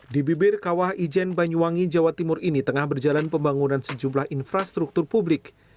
di bibir kawah ijen banyuwangi jawa timur ini tengah berjalan pembangunan sejumlah infrastruktur publik